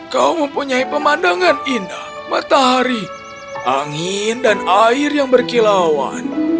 kau mempunyai pemandangan indah matahari angin dan air yang berkilauan